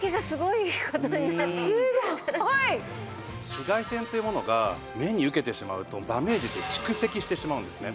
紫外線というものが目に受けてしまうとダメージって蓄積してしまうんですね。